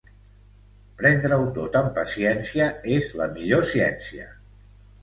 Prendre-ho tot amb paciència és la millor ciència.